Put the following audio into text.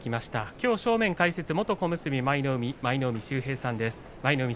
きょう正面解説は元小結舞の海の舞の海秀平さんです。